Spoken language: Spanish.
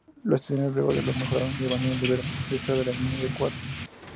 Los italianos luego lo "mejoraron" llevando un líbero detrás de la línea de cuatro.